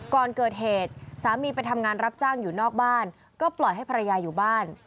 ก่อนเกิดเหตุสามีไปทำงานรับจ้างอยู่นอกบ้านก็ปล่อยให้ภรรยาอยู่บ้าน